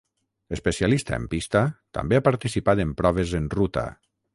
Especialista en pista també ha participat en proves en ruta.